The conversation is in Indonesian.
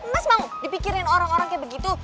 mas mau dipikirin orang orang kayak begitu